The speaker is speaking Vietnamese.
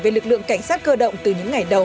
về lực lượng cảnh sát cơ động từ những ngày đầu